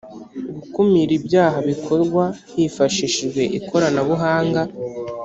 gukumira ibyaha bikorwa hifashishijwe ikoranabuhanga